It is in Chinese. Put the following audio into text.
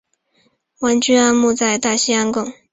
王居安墓在大溪西贡。